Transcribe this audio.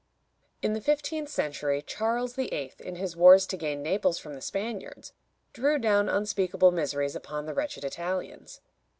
In the fifteenth century, Charles VIII., in his wars to gain Naples from the Spaniards, drew down unspeakable miseries upon the wretched Italians.